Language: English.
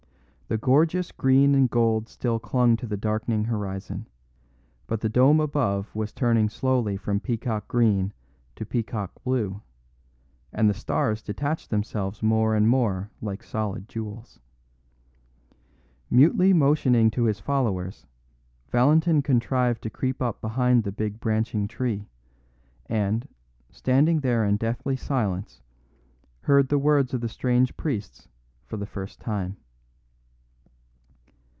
The gorgeous green and gold still clung to the darkening horizon; but the dome above was turning slowly from peacock green to peacock blue, and the stars detached themselves more and more like solid jewels. Mutely motioning to his followers, Valentin contrived to creep up behind the big branching tree, and, standing there in deathly silence, heard the words of the strange priests for the first time.